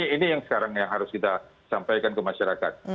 ini yang sekarang yang harus kita sampaikan ke masyarakat